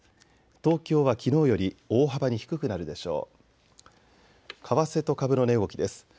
東京はきのうより大幅に低くなるでしょう。